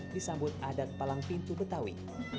disambut adat palang pintu betawi